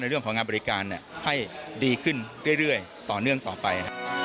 เรื่องของงานบริการให้ดีขึ้นเรื่อยต่อเนื่องต่อไป